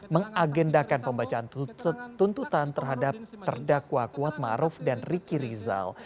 mengagendakan pembacaan tuntutan terhadap terdakwa kuatmaruf dan riki rizal